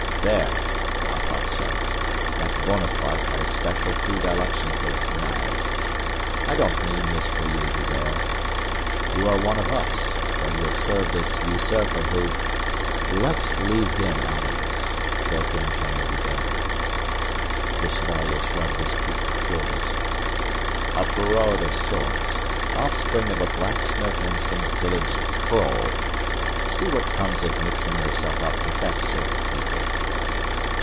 "There! I thought so. That Bonaparte had a special predilection for the canaille. I don't mean this for you, D'Hubert. You are one of us, though you have served this usurper who..." "Let's leave him out of this," broke in General D'Hubert. The Chevalier shrugged his peaked shoulders. "A Feraud of sorts. Offspring of a blacksmith and some village troll.... See what comes of mixing yourself up with that sort of people."